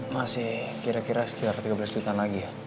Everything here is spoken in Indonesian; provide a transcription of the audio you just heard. masih kira kira sekitar tiga belas juta lagi ya